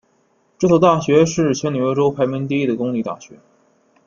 这所大学是全纽约州排名第一的公立大学。